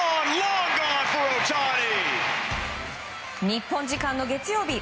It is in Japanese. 日本時間の月曜日